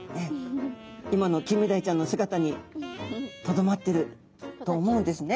今のキンメダイちゃんの姿にとどまってると思うんですね。